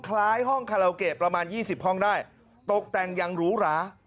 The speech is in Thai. คล้ายห้องคาเลาเกบประมาณยี่สิบห้องได้ตกแต่งอย่างหรูหรา